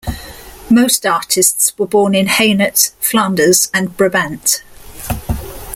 Most artists were born in Hainaut, Flanders and Brabant.